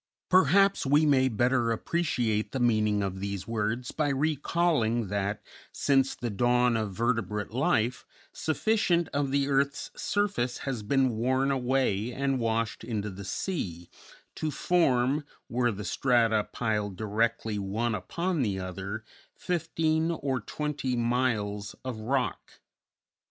Perhaps we may better appreciate the meaning of these words by recalling that, since the dawn of vertebrate life, sufficient of the earth's surface has been worn away and washed into the sea to form, were the strata piled directly one upon the other, fifteen or twenty miles of rock.